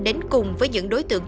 đến cùng với những đối tượng